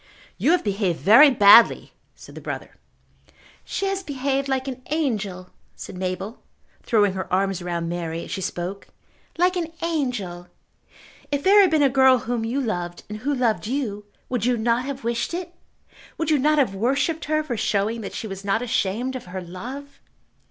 "You have behaved very badly," said the brother. "She has behaved like an angel," said Mabel, throwing her arms round Mary as she spoke, "like an angel. If there had been a girl whom you loved and who loved you, would you not have wished it? Would you not have worshipped her for showing that she was not ashamed of her love?"